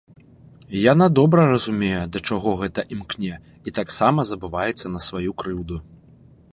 Яна добра разумее, да чаго гэта імкне, і таксама забываецца на сваю крыўду.